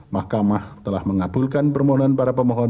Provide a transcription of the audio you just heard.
mahkamah telah mengabulkan permohonan para pemohon